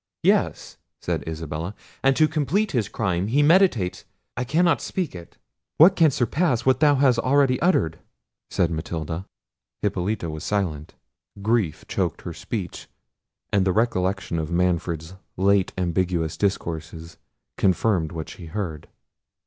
"Yes," said Isabella; "and to complete his crime, he meditates—I cannot speak it!" "What can surpass what thou hast already uttered?" said Matilda. Hippolita was silent. Grief choked her speech; and the recollection of Manfred's late ambiguous discourses confirmed what she heard.